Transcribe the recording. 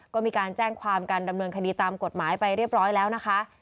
ก็มีการแจ้งความกันดำเนินคดีตามกฎหมายไปเรียบร้อยแล้วนะคะ